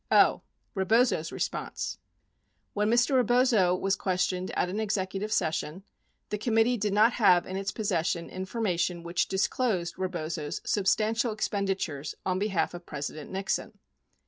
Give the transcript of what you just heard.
O. Rebozo's Response When Mr. Rebozo was questioned at an executive session, 43 the com mittee did not have in its possession information which disclosed Rebozo's substantial expenditures on behalf of President Nixon.